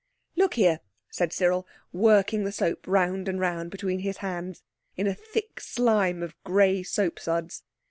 "Look here," said Cyril, working the soap round and round between his hands in a thick slime of grey soapsuds.